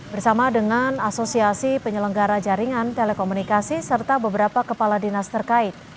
bersama dengan asosiasi penyelenggara jaringan telekomunikasi serta beberapa kepala dinas terkait